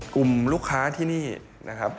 กลุ่มลูกค้าที่นี่นะครับ